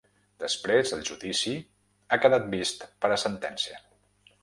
Després, el judici ha quedat vist per a sentència.